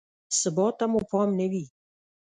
ثبات ته مو پام نه وي.